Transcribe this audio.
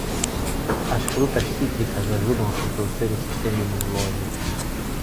As frutas cítricas ajudam a fortalecer o sistema imunológico.